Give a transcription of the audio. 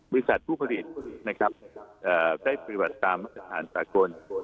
บริษัทผู้ผลิตนะครับได้ปฏิบัติตามมาตรฐานสากล